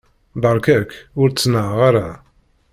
Beṛka-k ur ttnaɣ ara.